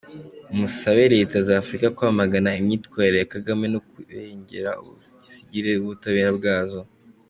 Musabe Leta za Afrika kwamagana imyitwarire ya Kagame no kurengera ubusugire bw’ubutabera bwazo.